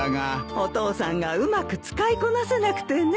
お父さんがうまく使いこなせなくてね。